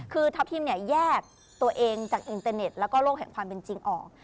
คือทัพทิมเนี่ยแยกตัวเองจากอินเตอร์เน็ตแล้วก็โลกแห่งความเป็นจริงออก